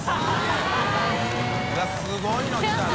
Δ錣すごいの来たね。